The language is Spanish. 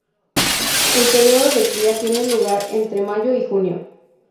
El periodo de cría tiene lugar entre mayo y junio.